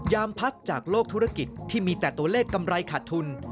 พักจากโลกธุรกิจที่มีแต่ตัวเลขกำไรขาดทุน